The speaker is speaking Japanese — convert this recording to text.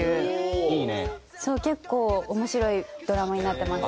結構面白いドラマになってます。